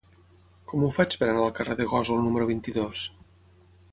Com ho faig per anar al carrer de Gósol número vint-i-dos?